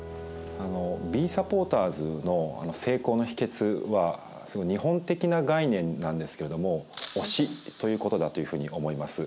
「Ｂｅｓｕｐｐｏｒｔｅｒｓ！」の成功の秘けつはすごい日本的な概念なんですけれども「推し」ということだというふうに思います。